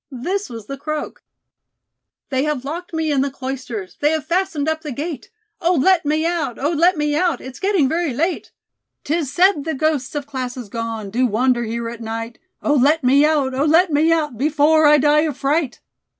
This was the croak: "They have locked me in the Cloisters, They have fastened up the gate! Oh, let me out; Oh, let me out. It's getting very late. 'Tis said the ghosts of classes gone Do wander here at night. Oh, let me out; Oh, let me out, Before I die of fright!